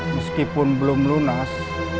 meskipun belum lunas